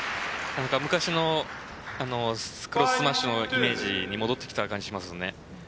昔のスマッシュのイメージに戻ってきた感じしますよね。